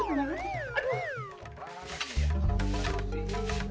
aduh bingung aneh bisa ludes